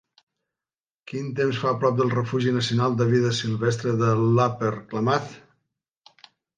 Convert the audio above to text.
Quin temps fa prop del Refugi Nacional de Vida Silvestre de l'Upper Klamath?